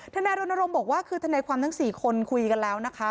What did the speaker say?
ทนาโดนโรมบอกว่าคือทนายความทั้งสี่คนคุยกันแล้วนะคะ